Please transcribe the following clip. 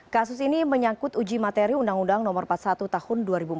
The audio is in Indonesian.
kasus ini menyangkut uji materi undang undang no empat puluh satu tahun dua ribu empat belas